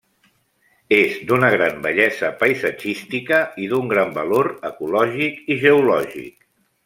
És d'una gran bellesa paisatgística i d'un gran valor ecològic i geològic.